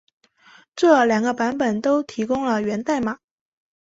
这两个版本都提供了源代码。